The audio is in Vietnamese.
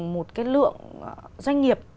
một cái lượng doanh nghiệp